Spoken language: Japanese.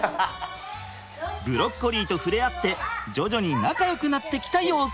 ブロッコリーと触れ合って徐々に仲よくなってきた様子！